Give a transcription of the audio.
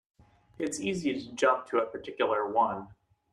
It's easy to jump to a particular one.